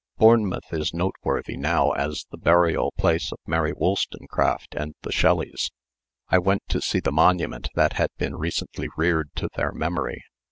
Bournemouth is noteworthy now as the burial place of Mary Wolstonecraft and the Shelleys. I went to see the monument that had been recently reared to their memory.